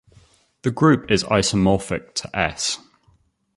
This group is isomorphic to "S".